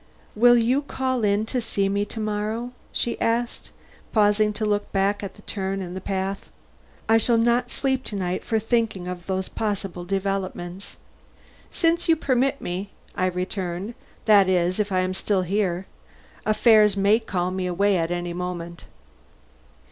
"Will you call in to see me to morrow?" she asked, pausing to look back at a turn in the path. "I shall not sleep to night for thinking of those possible developments." "Since you permit me," I returned; "that is, if I am still here. Affairs may call me away at any moment."